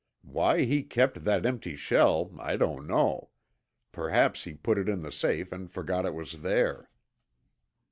Why he kept that empty shell I don't know. Perhaps he put it in the safe and forgot it was there."